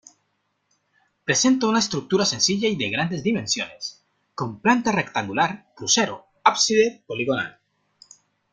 Presenta una estructura sencilla y de grandes dimensiones, con planta rectangular, crucero, ábside poligonal.